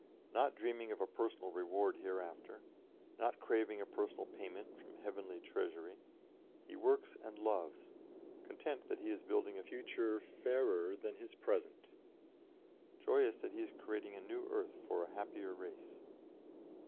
Not dreaming of a personal reward hereafter, not craving a personal payment from heavenly treasury, he works and loves, content that he is building a future fairer than his present, joyous that he is creating a new earth for a happier race."